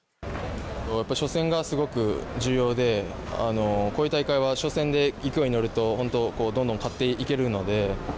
やっぱり初戦がすごく重要で、こういう大会は初戦で勢いに乗ると本当どんどん勝っていけるので。